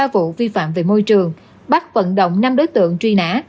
hai mươi ba vụ vi phạm về môi trường bắt vận động năm đối tượng truy nã